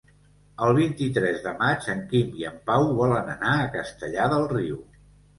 El vint-i-tres de maig en Quim i en Pau volen anar a Castellar del Riu.